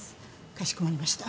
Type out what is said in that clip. かしこまりました。